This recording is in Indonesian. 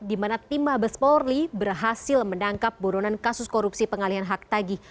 dimana timah besporli berhasil menangkap burunan kasus korupsi pengalian hak tagih